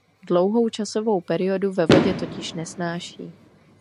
Dlouhou časovou periodu ve vodě totiž nesnáší.